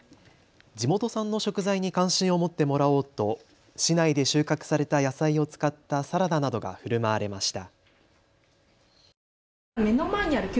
地元産の食材に関心を持ってもらおうと市内で収穫された野菜を使ったサラダなどがふるまわれました。